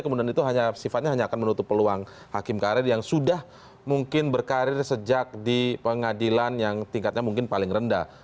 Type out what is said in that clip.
kemudian itu sifatnya hanya akan menutup peluang hakim karir yang sudah mungkin berkarir sejak di pengadilan yang tingkatnya mungkin paling rendah